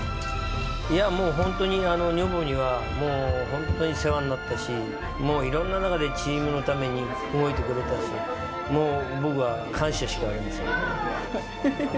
いやもう、本当に、女房にはもう本当に世話になったし、もういろんな中で、チームのために動いてくれたし、もう僕は感謝しかありません。